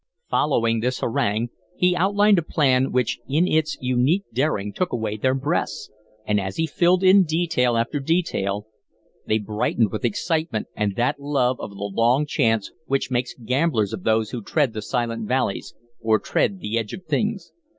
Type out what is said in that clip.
Following this harangue, he outlined a plan which in its unique daring took away their breaths, and as he filled in detail after detail they brightened with excitement and that love of the long chance which makes gamblers of those who thread the silent valleys or tread the edge of things.